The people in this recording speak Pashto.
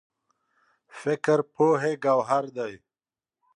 فکر پوهې ګوهر دی.